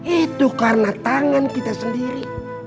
itu karena tangan kita sendiri